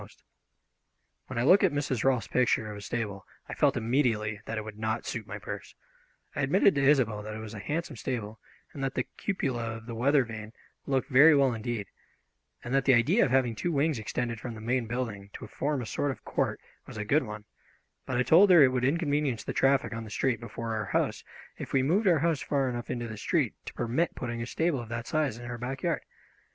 [Illustration: 61] When I looked at Mrs. Rolfs's picture of a stable I felt immediately that it would not suit my purse. I admitted to Isobel that it was a handsome stable, and that the cupola with the weather vane looked very well indeed, and that the idea of having two wings extended from the main building to form a sort of court was a good one; but I told her it would inconvenience the traffic on the street before our house if we moved our house far enough into the street to permit putting a stable of that size in our back yard.